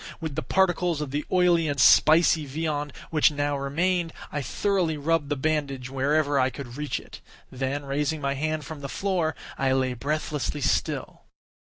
With the particles of the oily and spicy viand which now remained, I thoroughly rubbed the bandage wherever I could reach it; then, raising my hand from the floor, I lay breathlessly still.